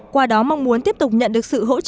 qua đó mong muốn tiếp tục nhận được sự hỗ trợ